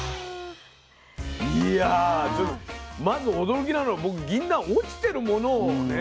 いやでもまず驚きなのは僕ぎんなん落ちてるものをね。